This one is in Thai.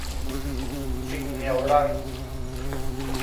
สิ่งเหนี่ยวรั้ง